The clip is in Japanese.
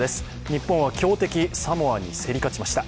日本は強敵サモアに競り勝ちました。